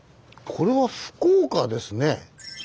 これは福岡ですね。